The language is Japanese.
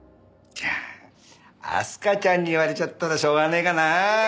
じゃあ明日香ちゃんに言われちゃったらしょうがねえかなあ。